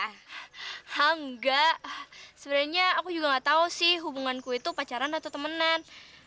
enggak sebenarnya aku juga gak tau sih hubunganku itu pacaran atau temenan